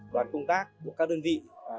đoàn công tác của các đơn vị